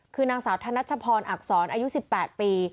คือนางสาวธนัชพรอักษรอายุ๑๘ปี